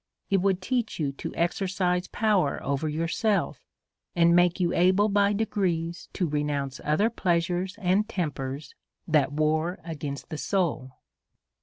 It would teach you to exercise power over yourself, and make you able by degrees to renounce other pleasures and tempers that war against the soul.